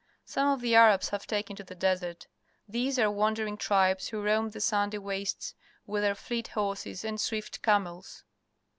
Some of the Arabs have taken to the desert. These are wandering tribes, who roam the sandy wastes with their fleet horses and swift cam els.